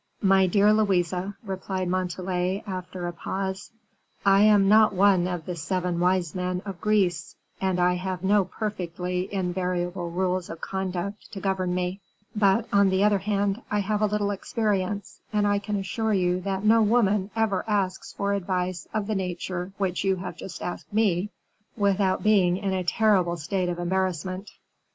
"My dear Louise," replied Montalais, after a pause, "I am not one of the seven wise men of Greece, and I have no perfectly invariable rules of conduct to govern me; but, on the other hand, I have a little experience, and I can assure you that no woman ever asks for advice of the nature which you have just asked me, without being in a terrible state of embarrassment.